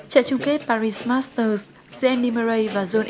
trận chung kết paris masters giữa andy murray và john